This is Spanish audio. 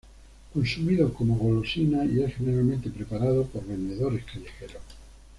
Consumido como golosina y es generalmente preparado por vendedores callejeros.